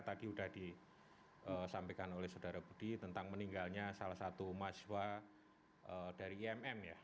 tadi sudah disampaikan oleh saudara budi tentang meninggalnya salah satu mahasiswa dari imm ya